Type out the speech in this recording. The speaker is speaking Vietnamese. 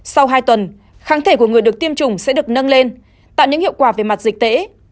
sau hai tuần kháng thể của người được tiêm chủng sẽ được nâng lên tạo những hiệu quả về mặt dịch tễ